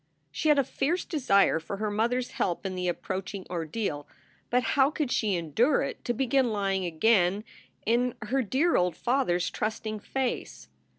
She had a fierce desire for her mother s help in the ap proaching ordeal, but how could she endure it to begin lying again in her dear old father s trusting face?